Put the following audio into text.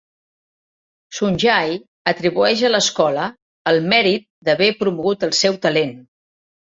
Sunjay atribueix a l'escola el mèrit d'haver promogut el seu talent.